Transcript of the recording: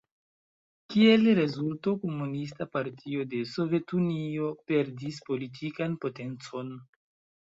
Kiel rezulto Komunista Partio de Sovetunio perdis politikan potencon.